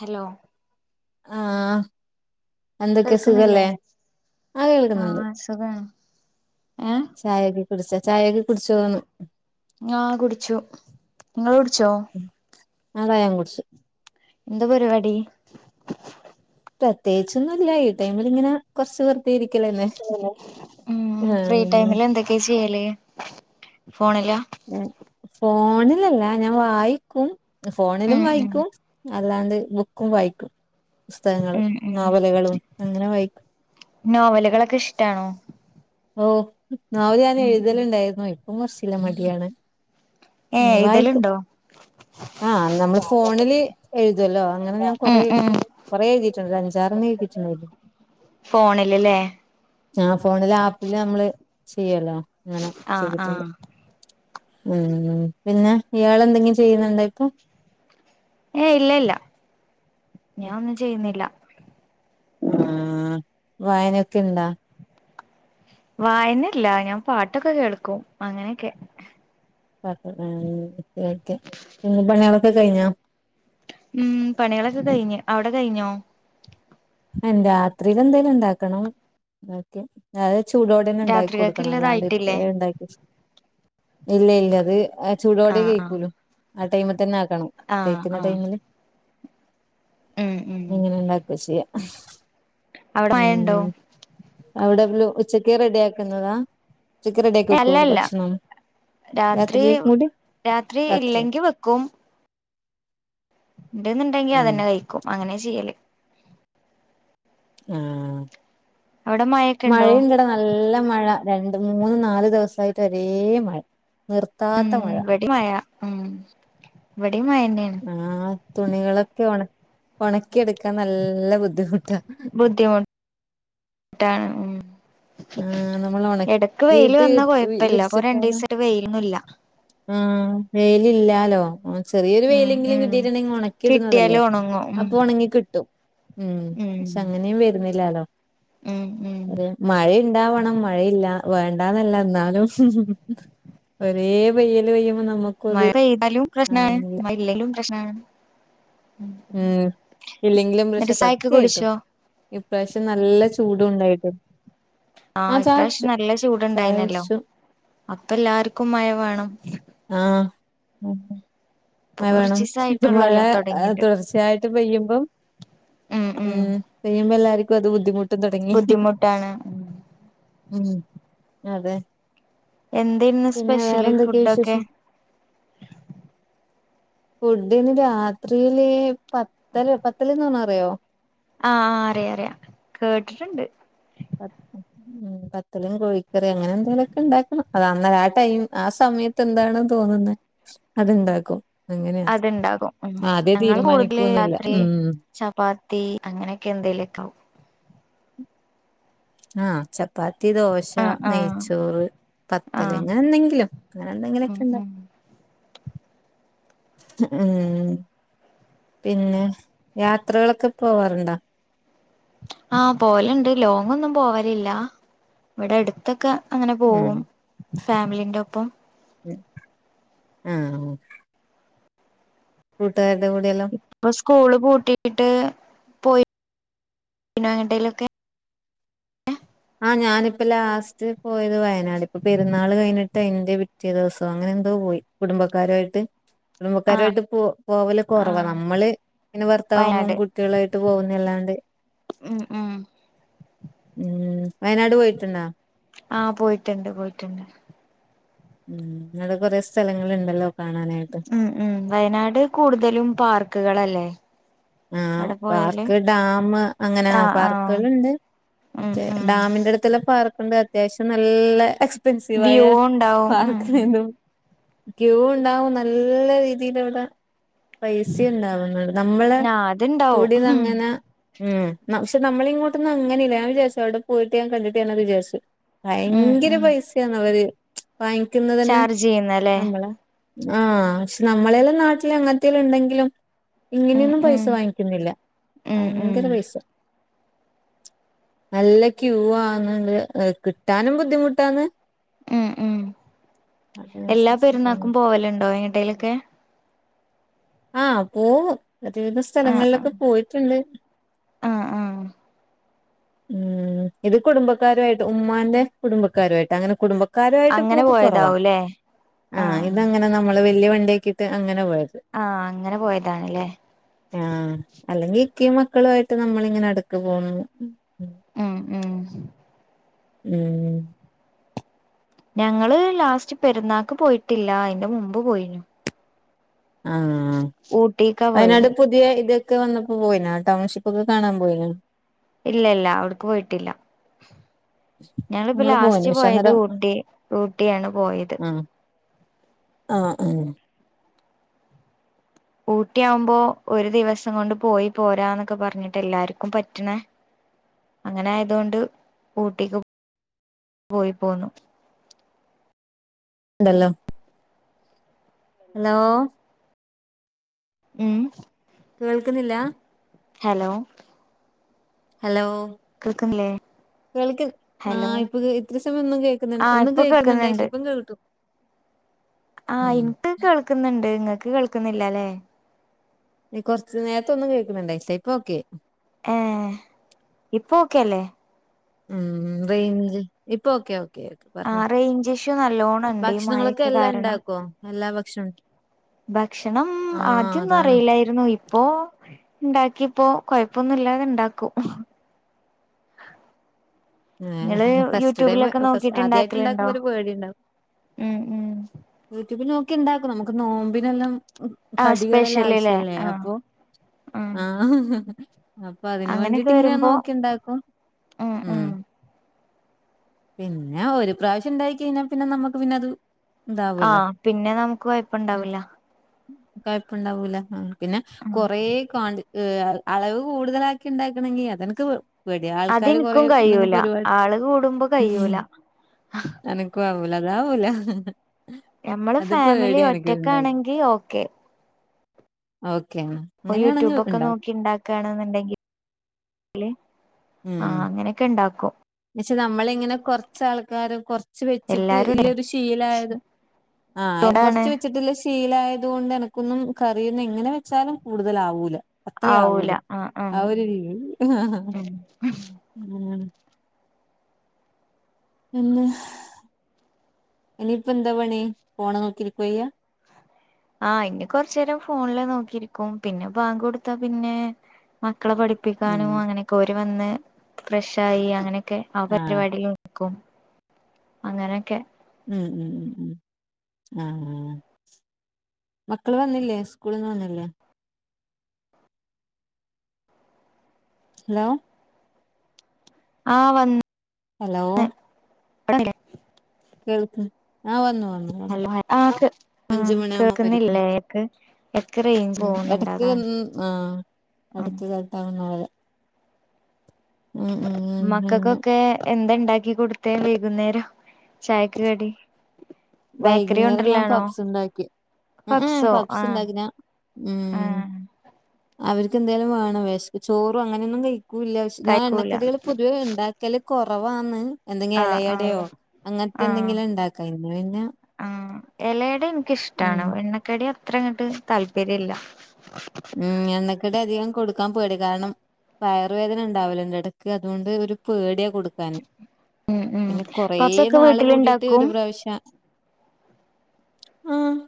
Hello ആഹ് എന്തൊക്കെ കേൾക്കുന്നില്ലേ സുഖല്ലേ ആ കേൾക്കുന്നുണ്ട് ആഹ് സുഖാണ് ഏഹ് ചായക്കെ കുടിച്ചോ ചായയൊക്കെ കുടിച്ചോന്ന് ങ്ങാ കുടിച്ചു നിങ്ങള് കുടിച്ചോ അ റയൻ കുടിച്ച് എന്താ പരിപാടി പ്രത്യേകിച്ചൊന്നുല്ല ഈ ടൈമിൽ ഇങ്ങനെ കുറച്ച് വർ ഉം ഫ്രീ ടൈമില് ഉം എന്തൊക്കെയാ ചെയ്യല് ഫോണില ഉം ഫോണിലല്ല ഞാൻ വായിക്കും ഫോണിലും ഉം ഉം വായിക്കും അല്ലാണ്ട് ബുക്കും വായിക്കും പുസ്തകങ്ങൾ ഉം ഉം നോവലുകളും അങ്ങനെ വായിക്കും നോവലുകളൊക്കെ ഇഷ്ടാണോ ഓ നോവല് ഞാൻ ഉം ഉം എഴുതലുണ്ടായിരുന്നു ഇപ്പം കുറച്ചില്ല മടിയാണ് ഏഹ് പിന്നെ എഴുതല് വായിക്കും ഇണ്ടോ? ആഹ് നമ്മള് ഫോണില് എഴുതുല്ലോ അങ്ങനെ ഞാൻ ഉം കൊറെ ഉം കുറെ എഴുതിട്ടുണ്ട് ഒരഞ്ചാറണ്ണം എഴുതിയിട്ടുണ്ടായിരിക്കും ഫോണിൽല്ലേ ആഹ് ഫോണില് ആപ്പില് നമ്മള് ചെയ്യുവല്ലോ അങ്ങനെ ആഹ് ആഹ് ചെയ്തിട്ടുണ്ട് ഉം പിന്നെ ഇയാൾ എന്തെങ്കിലും ചെയ്യുന്നുണ്ടോ ഇപ്പൊ ഏ ഇല്ല ഇല്ല ഞാൻ ഒന്നും ചെയ്യുന്നില്ല ആഹ് വായനൊക്കെ ഇണ്ടാ വായനല്ല ഞാൻ പാട്ടൊക്കെ കേൾക്കും അങ്ങനെയൊക്കെ [unintelligible] ഓക്കെ പണിയാളൊക്കെ കഴിഞ്ഞോ ഉം പണികളൊക്കെ കഴിഞ്ഞ് അവിടെ കഴിഞ്ഞോ അൻ രാത്രിൽ എന്തേലും ഉണ്ടാക്കണം ഒക്കെ അത് ചൂടോടെന്നെ ഉണ്ടാക്കി കൊടുക്കണം അല്ലാണ്ട് രാത്രികൾക്കുള്ളതായിട്ടില്ലേ ഇപ്പഴെ ഇണ്ടാക്കി വെച്ച് ഇല്ല ഇല്ല അത് ചൂടോടെ ആഹ് കേഴിക്കല്ലൂ ആ ടൈമ് തന്നെ അ കണം ആഹ് ആഹ് കഴിക്കുന്ന ആഹ് ടൈമില് ഉം ഉം ഇങ്ങനെണ്ടാക്ക ചെയ്യ അവിടെ മഴണ്ടോ ഉംഹ് അവിടെ ല്ലു ഉച്ചക്ക് റെഡിയാക്കുന്നതാ അല്ലല്ല രാത്രി രാത്രിയിലേക്ക് കൂടി രാത്രി ഇല്ലെങ്കി വെക്കും ഇണ്ടന്ന്ണ്ടെങ്കി ഉം അതന്നെ കഴിക്കും അങ്ങനെ ചെയ്യല് ആഹ് അവിടെ മഴൊക്കെ ഉണ്ടോ മഴയ്ണ്ടവ്ടെ നാ നല്ല മഴ രണ്ട് മൂന്ന് നാല് ദിവസായിട്ട് ഒരേ മഴ നിർത്താത്ത മഴ വടി മഴ ഉം വടി മഴന്നേ ആ തുണികളൊക്കെ ഒണ ഒണക്കിെടുക്കാൻ നല്ല ബുദ്ധിമുട്ടാ ബുദ്ധിമുട് ട്ടാണ് ഉം ആഹ് നമ്മൾ എടക്ക് വെയില് ഒണക്കിയിട്ട് വന്നാ കൊഴപ്പല്ല അപ്പൊ രണ്ടു വിരിച്ചിട്ടാലും ദിവസായിട്ട് വെയിൽന്നുംല്ല ആഹ് വെയിലില്ലാലോ ചെറിയൊരു ഉം വെയിലെങ്കിലും ഉം കിട്ടിട്ടുണ്ടെങ്കിൽ ഒണക്കി ഇടുന്നതല്ലേ കിട്ടിയാലും ഒണങ്ങും ഉം അപ്പൊ ഒണങ്ങി കിട്ടും ഉം പക്ഷെ അങ്ങനെയും വരുന്നില്ലാലോ ഉം ഉം മഴ ഇണ്ടാവണം മഴയില്ല വേണ്ടന്നല്ല ഇന്നാലും ഒരേ വെയ്ല് പെയ്യുമ്പോ നമു മഴ പെയ്താലും പ്രശ്നാണ് മഴല്ലേലും പ്രശ്നാണ് ഉം ഇല്ലെങ്കിലും പക്ഷെ എന്നിട്ട് ചായൊക്കെ സത്യായിട്ടും കുടിച്ചോ ഇപ്രാവശ്യം നല്ല ചൂടു ഇണ്ടായിട്ട് ആഹ് ഇപ്രാവശ്യം നല്ല ചായ ചൂട്ണ്ടായിനല്ലോ കുടിച്ചു അപ്പൊ എല്ലാർക്കും മഴ വേണം ആഹ് ഇപ്പൊ മഴ വേണം ഇപ്പ മഴ കൊറച്ചീസായിട്ടുള്ളല്ലോ തൊടങ്ങിട്ട് തുടർച്ചയായി ട്ട് പെയ്യുമ്പം ഉം പെയ്യുമ്പോ എല്ലാർക്കും അത് ബുദ്ധിമുട്ട് ട്ടും തുടങ്ങി ബുദ്ധിമുട്ടാണ് ഉം അതെ എന്തേര്ന്നു പിന്നെ സ്പെഷ്യല് വേറെന്തൊക്കെയ ഫുഡൊക്കെ വിശേഷം ഫുഡിന് രാത്രിയില് പത്തര പത്തല്ന്ന് പറന്ന അറിയോ ആഹ് അറിയ അറിയ കേട്ടിട്ടുണ്ട് ആഹ് ഉം പത്തലും കോഴിക്കറി അങ്ങനെ എന്തെലൊക്കെ ണ്ടാക്കണം അത് അന്ന ആ ടൈം ആ സമയത്ത് എന്താണോ തോന്നുന്നത് അത്ണ്ടാക്കും അങ്ങനെയ അത്ണ്ടാകും ഉം ആത്യെ തീരുമാനിക്കന്നില്ല ഉം ചബാത്തി അങ്ങനെയൊക്കെ എന്തെലുക്ക ആവും ആ ചപ്പാത്തി ദോശ ആഹ് ആഹ് നെയ്ച്ചോറ് പത്തല്ല് ആഹ് അങ്ങനെ എന്തെങ്കിലും അങ്ങനെ ഉം എന്തെങ്കിലൊക്കെ ഉണ്ടാ ക്കും ഉം [inaudible] ഉം പിന്നെ യാത്രകളൊക്കെ പോവാറുണ്ടാ? ആഹ് പോവലണ്ട് ലോങ് ഒന്നും പോവലില്ല ഇവിടെ അടുത്തൊക്കെ അങ്ങനെ ഉം പോവും ഫാമിലിന്റെ പ്പം ഉം ആഹ് കൂട്ടുകാരുടെ കൂടെയെല്ലാം ഇപ്പൊ സ്കൂള് പൂട്ടിട്ട് പോയി ട്ടങ്ങട്ടയിലൊക്കെ ആഹ് ഞാനിപ്പ ലാസ്റ്റ് പോയത് വയനാട് ഇപ്പം പെരുന്നാൾ കഴിഞ്ഞിട്ട് ന്റെവീ പിറ്റേ ദിവസൊ അങ്ങനെ എന്തോ പോയി കുടുംബക്കാരായിട്ട് ആഹ് കുടുംബക്കാരായിട്ട് പോ പോവല് കുറവാ ആഹ് നമ്മള് ന്നാ ഭർത്താവും വയനാട് കുട്ടികളായിട്ട് പോകുന്ന അല്ലാണ്ട് ഉം ആഹ് ഉം വയനാട് പോയിട്ടുണ്ട ആഹ് പോയിട്ടുണ്ട് പോയിട്ടുണ്ട് ഉം അവിടെ കൊറെ സ്ഥലങ്ങുണ്ടല്ലോ കാണാനായിട്ട് ഉം ഉം വയനാട് കൂടുതലും പാർക്ക്കളല്ലേ ആഹ് പാർക്ക് ഡാംമുഅങ്ങനെ ആഹ് ആഹ് പാർക്കുകളുണ്ട് ഉം മറ്റേ ഉം ഡാമിന്റെ അടുത്തുള്ള പാർക്കുണ്ട് അത്യാവശ്യം നല്ല്എക്സ് പിൻസിവായ വ്യൂ ഉണ്ടാവും പാ ഉം ഇുംനു ക്യൂ ഉണ്ടാവും നല്ല രീതിയില് വിടെ പൈസ ഉണ്ടാവുന്നുണ്ട് നമ്മള് ആഹ് അത്ണ്ടാവും കൂടിത ഉം അങ്ങനെ ഉം പക്ഷെ നമ്മളിങ്ങോട്ടൊന്നുംങ്ങന ഇല്ല ഞാ വിചാരിച്ചു അവിടെ പോയിട്ട് ഞാ കണ്ടിട്ട് വിചാരിച്ചു ഉം ഭയങ്കര ഉം പൈസയാന്ന്‌ അവര് വാങ്ങിക്കുന്നത് തന്നെ ചാർജ് ചെയ്യുന്നല്ലേ നമ്മളെ ആഹ് പക്ഷെ നമ്മളെല്ലാം നാട്ടില് അങ്ങനത്തല്ലാം ഉണ്ടെങ്കിലും ഉം ഇങ്ങനെയൊന്നും പൈസ ഉം സ് വാങ്ങിക്കുന്നില്ല ഉം ഉം ഭയങ്കര പൈസ [inaudible] നല്ല ക്യൂ ആന്നുണ്ട് കിട്ടാനും ബുദ്ധിമുട്ടാണ് ഉം ഉം എല്ലാ അതിനനുസരിച്ച് പെരുന്നാക്കും പോവലുണ്ടോ എങ്ങട്ടേയിലൊക്കെ? ആഹ് പോവും ഒരു വിധം ആഹ് ആഹ് സ്ഥലങ്ങളിലൊക്കെ പോയിട്ടുണ്ട് ആഹ് ആഹ് ഉം ഇത് കുടുംബക്കാരുയിട്ട് ഉമമാന്റെ കുടുംബക്കാരുമായിട്ട് അങ്ങനെ കുടുംബ ബക്കാരുമായിട്ട് അങ്ങനെ പോക്ക് കൊറവാ പോയതാവൂല്ലേ ആ ആഹ് ഇതങ്ങനെ നമ്മള് വല്യയ വണ്ടിയക്കിട്ട് അങ്ങനെ പോയത് ആഹ് അങ്ങനെ പോയതാണ്ല്ലേ ആഹ് അല്ലെങ്കി ഇക്കിം മക്കളു യിട്ട് നമ്മള് ങ്ങനെ അടക്ക് പോന്നു ആഹ് ആഹ് ഉം.... ഞങ്ങള് ലാസ്റ്റ് പെരുന്നാക്ക് പോയിട്ടില്ല അയിന്റെ മുമ്പ് പോയിനി ആഹ് ഊട്ടിക്കാ വയനാട് പോയത് പുതിയ ഇത് ക്ക വന്നപ്പോ പോയിന ടൗൺഷിപ്പ് ഒക്കെ കാണാൻ പോയിന ഇല്ല ഇല്ല അവിടക്ക് പോയിട്ടില്ല ഞങ്ങളിപ്പോ നമ്മള് പോയിന് ലാസ്റ്റ് പക്ഷെ പോയത് അന്നേരം ഊട്ടി ഊട്ടിയാണ് പോയത് ആഹ് ആഹ് ആഹ് ഊട്ടിയാകുമ്പോ ഒരു ദിവസം കൊണ്ട് പോയി പോരാന്നൊക്കെ പറഞ്ഞിട്ട് എല്ലാർക്കും പറ്റ്ണേ അങ്ങനായതൊണ്ട് ഊട്ടിക്ക് പോയി പോന്നു. ണ്ടല്ലോ ഹലോ ഉം കേൾക്കുന്നില്ലാ ഹലോ ഹലോ കേക്കുന്നില്ലേ? കേൾക്ക ആഹ് ഇപ്പൊ ഇത്ര സമയം ഒന്നും കേൾക്കുന്നു ആഹ് ഒന്നും ഇപ്പൊ കേൾക്കുന്നുണ്ടായിനില്ലാ കേൾക്കുന്നുണ്ട് ഇപ്പം കേട്ടു. ആഹ് ഉം ഇനിക്ക് കേൾക്കുന്നുണ്ട് ഇങ്ങൾക്ക് കേൾക്കുന്നില്ലല്ലേ? ന കൊറച്ച് നേരത്ത ഒന്നും കേൾക്കുന്നുണ്ടായില്ല ഇപ്പൊ ഓക്കെ ആയി ഏഹ് ഇപ്പൊക്കെല്ലേ ഉം റേഞ്ച് ഇപ്പൊ ഓക്കെ ഓ ഓക്കെ ആ പർഞ്ഞോ റേഞ്ച് ഇഷ്യൂ നല്ലോണം ഉണ്ട് ഈ ഭക്ഷണങ്ങളൊക്കെ മഴയൊക്കെ എല്ലാം കാരണം ഉണ്ടാക്കോ എല്ലാ ഭക്ഷണം. ഭക്ഷണം ആഹ് ആദ്യൊന്നും അതാണ് അറിയില്ലായിര് ഇപ്പോ ഇണ്ടാക്കിപ്പോ കൊഴപ്പൊന്നുല്ലാതെ ഇണ്ടാക്കും ങ്ങള് ഫസ്റ്റ് ടൈം യൂട്യൂബിലൊക്കെ ഫസ്റ്റ് നോക്കിട്ട് ആദ്യമായിട്ട് ഇണ്ടാക്കലുണ്ടോ. ഉണ്ടാക്കുമ്പോ ഒരു പേടി ഉണ്ടാവും ഉം ഉം യൂട്യൂബിൽ നോക്കിണ്ടാക്കും നമുക്ക് നോമ്പിനെല്ലാം ആ കടികളെല്ലാം സ്പെഷ്യലില്ലേ ആവശ്യല്ലേ ആ അപ്പൊ ആ ആഹ് അപ്പൊ അതിന് വേണ്ടിട്ട് അങ്ങനെയൊക്കെ ഇങ്ങനെ വരുമ്പോ നോക്കിണ്ടാക്കും ഉം പിന്നെ ഒരു പ്രാവശ്യം ഉണ്ടായി കഴിഞ്ഞാൽ പിന്നെ നമ്മുക്ക് പിന്നെ അത് ഇതാവല്ലോ ആഹ് പിന്നെ നമുക്ക് കൊയ്പ്പുണ്ടാവില്ല കായപ്പണ്ടാവൂല പിന്നെ കൊറേ കാ ഏഹ് അളവ് കൂടുതലാക്കി ഉണ്ടാക്കണെങ്കിൽ അതെൻക്ക് വെടിയ ആൾക്കാര് കുറെ എന്തെങ്കും പരിപാടി അളകൂടുംമ്പോ ഉം എനക്കു ആവൂലതാവൂല മ്മള് ഫാമിലി ഒറ്റക്കാണെങ്കി ഓക്കെ ഓക്കെ ഓ യൂട്യൂബൊക്കെ നോക്കിണ്ടാക്കു ക്കണെന്നണ്ടെങ്കിൽ ആഹ് അങ്ങനെക്കെണ്ടാക്കും ക്ഷെ നമ്മളിങ്ങനെ കൊർച്ചാൾക്കാർ കൊർച്ച് വെച്ചിട്ട് എല്ലാരും ഇല്ല ഒരു ശീലായത് ആഹ് തൊടാണ് കൊർച്ച് വെച്ചിട്ടല്ലേ ഇസ് ശീലായത് കൊണ്ട് എനക്കൊന്നും കറിയൊന്നും എങ്ങനെ വെച്ചാലും കൂടുതലാവൂല. അത്ര ആവൂലു ആഹ് ഒരു രീതി ആഹ് ഉം ഉം പിന്നെ.. ഇനിയിപ്പന്താ പണി ഫോണ് നോക്കിരിക്കുകയ്യ ആഹ് ഇനി കൊർചേരം ഫോൺല് നോക്കിയിരിക്കും. പിന്നെ ബാങ്ക് കൊടുത്താ പിന്നെ മക്കളെ പഠി പ്പിക്കാനും ഉം അങ്ങനെയൊക്കെ ഓരു വന്ന് ഫ്രഷായി അങ്ങനെയൊക്കെ ആ ആഹ് പരിപാടി ക്കും അങ്ങനൊക്കെ ഉം ഉം ഉം ആഹ് ആഹ് ആഹ് മക്കള് വന്നില്ലേ സ്കൂളിൽന്ന് വന്നില്ലേ ഹലോ ആഹ് വന്ന്‌ ഹലോ കേൾക് ആഹ് വന്നു വന്നു വന്നു ആഹ് ആഹ് അഞ്ച് മണിയാവുമ്പോ വരും കേക്കുന്നില്ലേക്ക്‌ [inaudible] എനക്ക് ഉം എടക്ക്‌ ആ ആഹ് എടക്ക്‌ കട്ടാകുന്ന പോലെ ഉം ഉം ഉം ഉം മക്കക്കൊക്കെ എന്തണ്ടാക്കി കൊടുത്തെ വൈകുന്നേരം ചായക്ക് കടി? ബേക്കറി വൈകുന്നേരം ഞാൻ കൊണ്ടരലാണോ പബ്സ് ഉണ്ടാക്കി അ ആ പപ്സോ പപ്സ് ആഹ് ണ്ടാക്കിന ഉം ആഹ് അവര്ക്കെന്തേലും വേണം വെഷ് ചോറും അങ്ങനൊന്നും കഴിക് കുലാശ് ഞാൻ കഴിക്കൂല എണ്ണക്കടികൾ പൊതുവേ ഉണ്ടാക്കല് കുറവാന്ന് എന്തെങ്കിലും ആഹ് ആഹ് എലയടയോ അങ്ങനത്തെ എന്തെങ്കിലും ഉണ്ടാക്കയുനു ആ എല അട ഉം എനിയ്ക്കിഷ്ട്ടാണ് എണ്ണക്കടി അത്ര അങ്ങട്ട് താല്പര്യം ഇല്ല ഉം എണ്ണക്കടി അധികം കൊടുക്കാൻ പേടി കാരണം വയറു വേദന ഉണ്ടാവല്ലോ അയിന്റെടയ്‌ക്കെ അതുകൊണ്ട് ഒരു പേടിയാ കൊടുക്കാനും ഉം ഉം പിന്നെ പപ്സൊക്കെ കൊറേനാളു കൂടീട്ട് വീട്ടിലുണ്ടാക്കും ഒരു പ്രാവശ്യം ആഹ്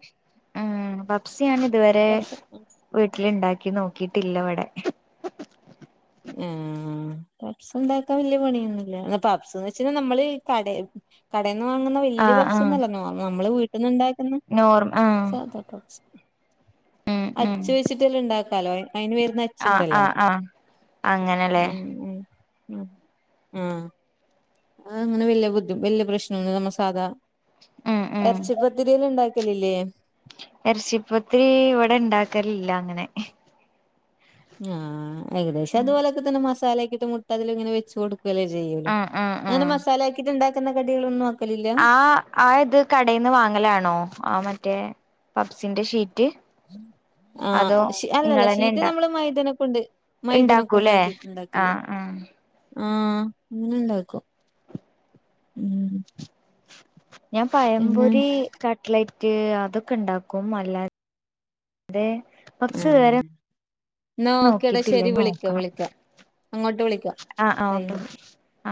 ബ്സി ഞാനിതുവരേ പപ്സ് വീട്ടിലുണ്ടാക്കി നോക്കീട്ടില്ലവിടെ ഏഹ് പബ്സുണ്ടാക്കാൻ വലിയ പണിയൊന്നുമില്ല എന്നാ പബ്സെന്നു വെച്ചാൽ നമ്മളീ കടേ കടേന്നു വാങ്ങുന്ന വലി വല്യ ആഹ് ആഹ് പപ്പ്സൊന്നുമല്ല നമ്മള് വീട്ടീന്നൊണ്ടാക്കുന്ന നോർമ ആഹ് സാധാ പപ്പ്സ് ഉം ഉം അച്ചു വെച്ചിട്ടുള്ളൊണ്ടാക്കാലോ അയിന് വരുന്ന ആഹ് അച്ചുണ്ടല്ലോ ആഹ് ആഹ് അങ്ങനെല്ലേ ഉം ഉം ഉം ഉം അതങ്ങനെ വല്ല്യ ബുദ്ധി വലിയ പ്രശ്നൊന്നില്ല നമ്മ സാധാ ഉം ഉം എറച്ചി പത്തിരി ഒന്നും ഉണ്ടാക്കലില്ലേ എറച്ചിപ്പത്തിരി ഇവിടൊണ്ടാക്കലില്ല അങ്ങനെ ആഹ് ഏകദേശം അതുപോലൊക്കെ തന്നെ മസാല ഒക്കെയിട്ട് മുട്ട അതി തിലിങ്ങനെ വെച്ചു കൊടുക്ക് ലേ ചെയ്യുള്ളു ആഹ് ആഹ് അങ്ങനെ ആഹ് മസാല ഒക്കെ ഇട്ടുണ്ടാക്കുന്ന കടികളൊന്നും അ ആ ആ ഇത് കടേന്നെ വാങ്ങലാണോ ആ മറ്റേ പപ്പ്സിന്റെ ഷീറ്റ് ഉം [unintelligible] ആ അതോ ശീ അല്ലല്ല ഇങ്ങളെന്നെ ഷീറ്റു ഇണ്ടാ നമ്മളെ മൈദേനെക്കൊണ്ട് ഇണ്ടാക്കൂല്ലേ മൈദനെക്കൊണ്ടാക്കിട്ടുണ്ടാക്കല് ആഹ് ആഹ് ആഹ് ഇങ്ങനുണ്ടാക്കും ഉം ഞാൻ പിന്നെ പയംപൊരി കട്ട്ലേറ്റ് അതൊക്കെ ഉണ്ടാക്കും അല്ലാതെ ആ കുറച്ച് വേര എന്നാ ഓക്കേടാ നോക്കീട്ടില്ലേ ശരി വിളിക്ക നോക്കണം വിളിക്ക അങ്ങോട്ട് വിളിക്കാം ആ ആ ടൈം ഓക്കെ ആ